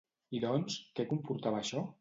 I doncs, què comportava això?